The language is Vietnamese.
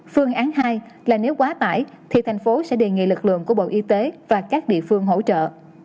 phương án hai là nếu quá tải thì thành phố sẽ đề nghị lực lượng của bộ y tế và các địa phương hỗ trợ